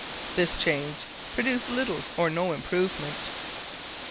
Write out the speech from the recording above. This change produced little or no improvement.